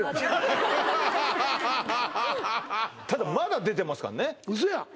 ただまだ出てますからねウソや！